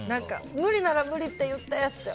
無理なら無理って言ってって。